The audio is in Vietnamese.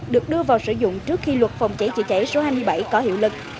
được đưa vào sử dụng trước khi luật phòng cháy chữa cháy số hai mươi bảy có hiệu lực